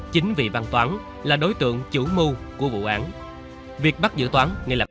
chính vị văn toán là đối tượng chủ mưu của vụ án này